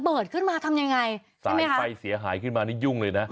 ระเบิดขึ้นมาทำยังไงใช่ไหมคะสายไฟเสียหายขึ้นมาแล้วยุ่งเลยนะ